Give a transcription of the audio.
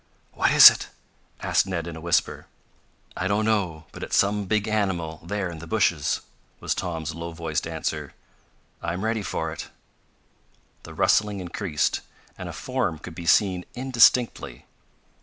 "What is it?" asked Ned in a whisper. "I don't know, but it's some big animal there in the bushes," was Tom's low voiced answer. "I'm ready for it." The rustling increased, and a form could be seen indistinctly.